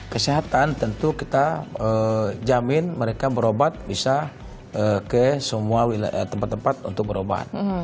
kesehatan tentu kita jamin mereka berobat bisa ke semua tempat tempat untuk berobat